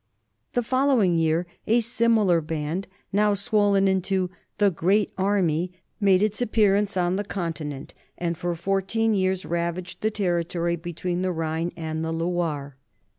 The following year a simi lar band, now swollen into "the great army" made its appearance on the Continent and for fourteen years ravaged the territory between the Rhine and the Loire.